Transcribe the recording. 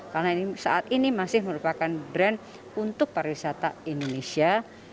karena saat ini masih merupakan brand untuk pariwisata indonesia